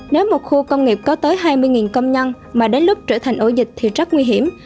nếu một khu công nghiệp có tới hai mươi công nhân mà đến lúc trở thành ổ dịch thì rất nguy hiểm